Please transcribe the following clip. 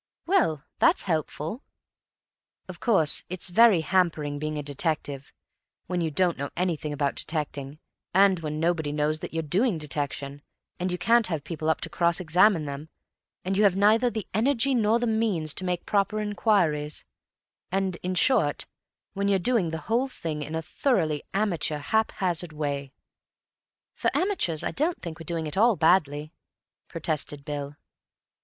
"Well, that's helpful." "Of course it's very hampering being a detective, when you don't know anything about detecting, and when nobody knows that you're doing detection, and you can't have people up to cross examine them, and you have neither the energy nor the means to make proper inquiries; and, in short, when you're doing the whole thing in a thoroughly amateur, haphazard way." "For amateurs I don't think we're doing at all badly," protested Bill.